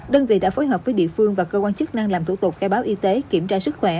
đơn vị đã phối hợp với địa phương và cơ quan chức năng làm thủ tục khai báo y tế kiểm tra sức khỏe